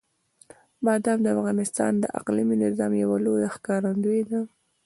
بادام د افغانستان د اقلیمي نظام یوه لویه ښکارندوی ده.